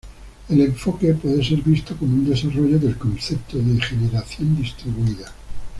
El enfoque puede ser visto como un desarrollo del concepto de generación distribuida.